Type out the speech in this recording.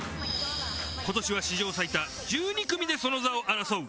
ことしは史上最多１２組でその座を争う。